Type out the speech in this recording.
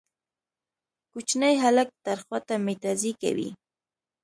کوچنی هلک تر خوټه ميتيازې کوي